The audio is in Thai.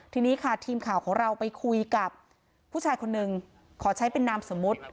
ทีนี้ค่ะทีมข่าวของเราไปคุยกับผู้ชายคนนึงขอใช้เป็นนามสมมุติ